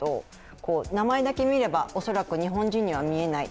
名前だけ見れば恐らく日本人には見えない。